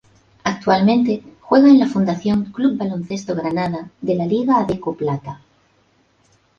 Actualmente juega en la Fundación Club Baloncesto Granada de la liga Adecco Plata.